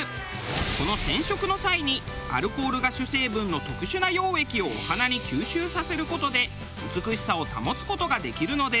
この染色の際にアルコールが主成分の特殊な溶液をお花に吸収させる事で美しさを保つ事ができるのです。